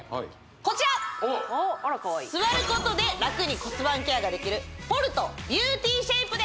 こちら座ることで楽に骨盤ケアができるです